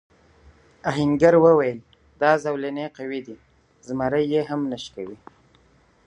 آهنګر وویل دا زولنې قوي دي زمری هم نه شکوي.